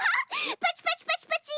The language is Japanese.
パチパチパチパチ！